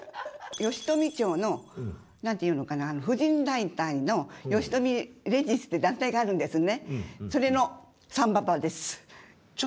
吉富町の何て言うのかな婦人団体のよしとみレディースっていう団体があるんですね。